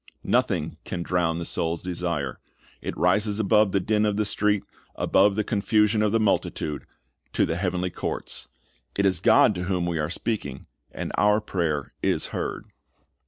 Nothing can drown the soul's desire. It rises above the din of the street, above the confusion of the multitude, to the heavenly courts. It is God to whom we are speaking, and our prayer is heard.